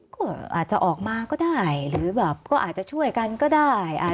ก็อาจจะออกมาก็ได้หรือแบบก็อาจจะช่วยกันก็ได้